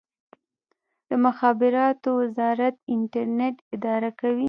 د مخابراتو وزارت انټرنیټ اداره کوي